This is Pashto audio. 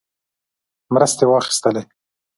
مرستې واخیستلې.